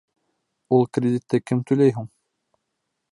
Ул кредитты кем түләй һуң?